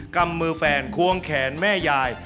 กำมือแฟนควงแขนแม่ยาย